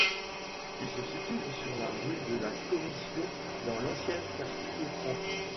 Il se situe sur la rue de la Commission, dans l’ancien quartier franc.